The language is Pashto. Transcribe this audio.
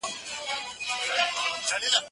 کتابونه وړه؟